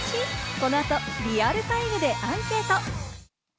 この後、リアルタイムでアンケート。